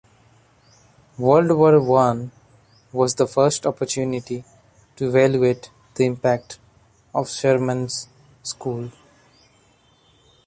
World War One was the first opportunity to evaluate the impact of Sherman's school.